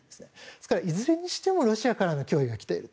ですから、いずれにしてもロシアからの脅威がきている。